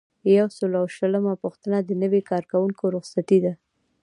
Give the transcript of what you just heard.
یو سل او شلمه پوښتنه د نوي کارکوونکي رخصتي ده.